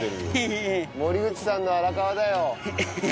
森口さんの荒川だよ。